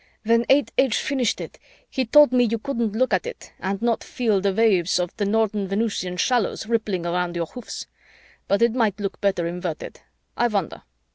When Eightaitch finished it, he told me you couldn't look at it and not feel the waves of the Northern Venusian Shallows rippling around your hoofs. But it might look better inverted. I wonder.